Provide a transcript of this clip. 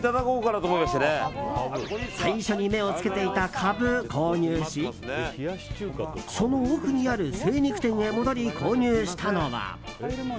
最初に目をつけていたカブ購入しその奥にある精肉店へ戻り購入したのは。